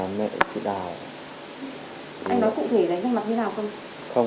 anh nói cụ thể đấy gần mặt như thế nào không